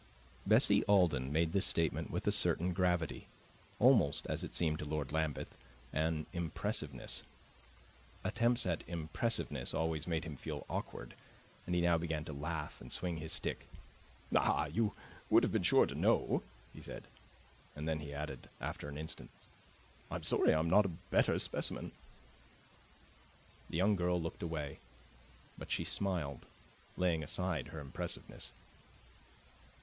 Bessie Alden made this statement with a certain gravity almost, as it seemed to Lord Lambeth, an impressiveness. Attempts at impressiveness always made him feel awkward, and he now began to laugh and swing his stick. "Ah, you would have been sure to know!" he said. And then he added, after an instant, "I'm sorry I am not a better specimen." The young girl looked away; but she smiled, laying aside her impressiveness.